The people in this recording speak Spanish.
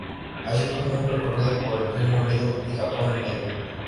Así como un recorrido por el Reino Unido y Japón en mayo.